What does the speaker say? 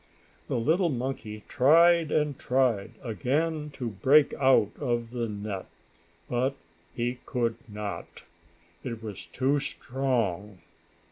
The little monkey tried and tried again to break out of the net, but he could not. It was too strong.